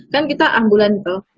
kan kita ambulan itu